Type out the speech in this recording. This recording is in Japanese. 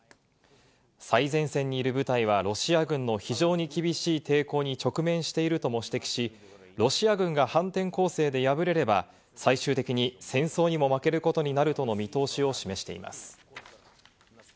最前線にいる部隊はロシア軍の非常に厳しい抵抗に直面しているとも指摘し、ロシア軍が反転攻勢で敗れれば、最終的に戦争にも負けることになるとの見通しを示しています。